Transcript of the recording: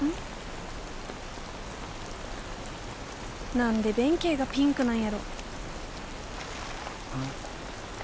何で弁慶がピンクなんやろ？